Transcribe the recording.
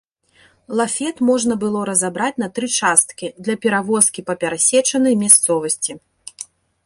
Лафет можна было разабраць на тры часткі для перавозкі па перасечанай мясцовасці.